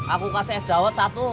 aku kasih es dawet satu